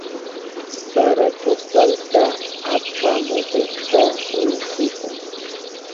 Sara kustalka apamuhukta winsihun.